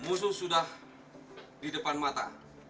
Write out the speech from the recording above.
musuh sudah di depan mata